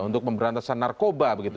untuk pemberantasan narkoba begitu